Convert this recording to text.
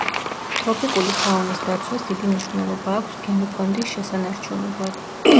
ტროპიკული ფაუნის დაცვას დიდი მნიშვნელობა აქვს გენოფონდის შესანარჩუნებლად.